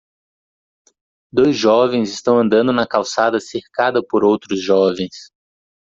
Dois jovens estão andando na calçada cercada por outros jovens.